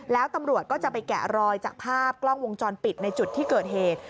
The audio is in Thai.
แล้วตำรวจก็จะไปแกะรอยจากภาพกล้องวงจรปิดในจุดที่เกิดเหตุ